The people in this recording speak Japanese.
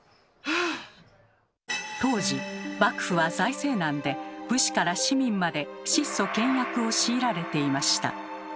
当時幕府は財政難で武士から市民まで質素倹約を強いられていました。